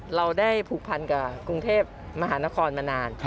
เราได้ผูกพันกับกรุงเทพมหานครมานาน